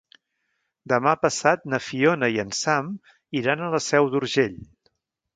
Demà passat na Fiona i en Sam iran a la Seu d'Urgell.